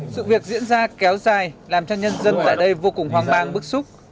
sự việc diễn ra kéo dài làm cho nhân dân tại đây vô cùng hoang mang bức xúc